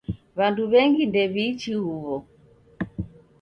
W'andu w'engi ndew'iichi huw'o.